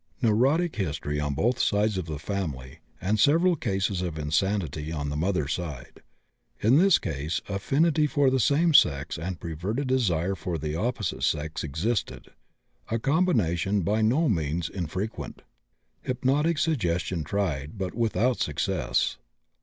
Neurotic history on both sides of the family, and several cases of insanity on mother's side. In this case affinity for the same sex and perverted desire for the opposite sex existed, a combination by no means infrequent. Hypnotic suggestion tried, but without success.